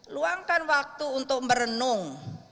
luangkan waktu untuk merenung